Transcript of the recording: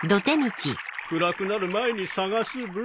暗くなる前に探すブー！